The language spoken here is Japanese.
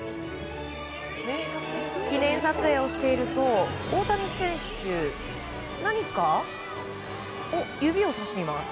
記念撮影をしていると大谷選手、何か指さしています。